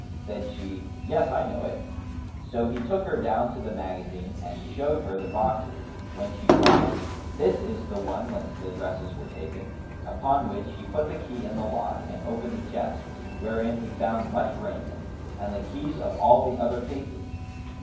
Said she, "Yes, I know it." So he took her down to the magazine and showed her the boxes, when she cried, "This is the one whence the dresses were taken;" upon which he put the key in the lock and opened the chest, wherein he found much raiment and the keys of all the other cases.